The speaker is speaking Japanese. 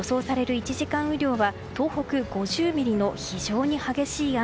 １時間雨量は東北、５０ミリの非常に激しい雨。